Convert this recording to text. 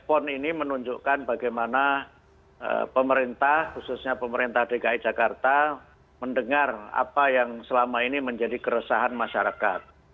pon ini menunjukkan bagaimana pemerintah khususnya pemerintah dki jakarta mendengar apa yang selama ini menjadi keresahan masyarakat